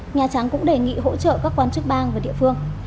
nhà trắng cũng đề nghị hỗ trợ các quan chức bang và địa phương